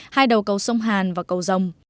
hai đầu cầu sông hàn và cầu rồng